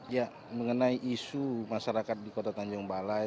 ya mengenai isu masyarakat di kota tanjung balai